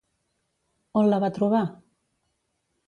On la va trobar?